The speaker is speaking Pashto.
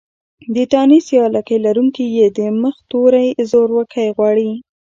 د تانيث يا لکۍ لرونکې ۍ د مخه توری زورکی غواړي.